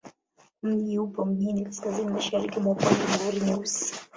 Mji upo mjini kaskazini-mashariki mwa pwani ya Bahari Nyeusi.